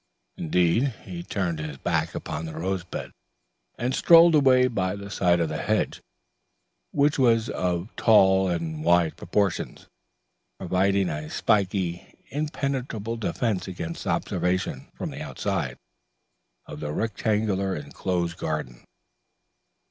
Indeed, he turned his back upon the rose bed, and strolled away by the side of the hedge, which was of tall and wide proportions, providing a spiky, impenetrable defence against observation, from the outside, of the rectangular enclosed garden.